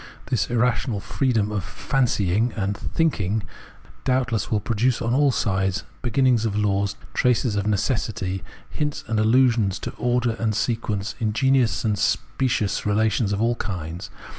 This irrational freedom of ''fancying" and ''thinking" doubtless will produce on all sides beginnings of laws, traces of neces sity, hints and allusions to order and sequence, ingenious and specious relations of all kinds.